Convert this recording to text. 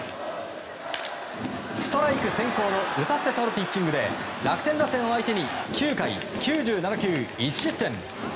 ストライク先行の打たせてとるピッチングで楽天打線を相手に９回９７球１失点。